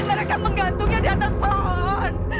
mereka menggantungnya di atas pohon